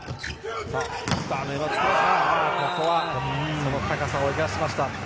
その高さを生かしました。